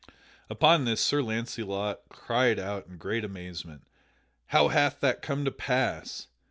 Upon this Sir Launcelot cried out in great amazement, "How hath that come to pass?"